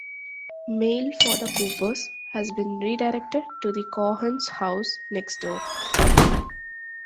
Mail for the Coopers has been redirected to the Cohens' house next door.